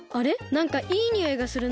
なんかいいにおいがするな。